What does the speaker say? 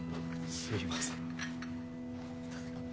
すみません。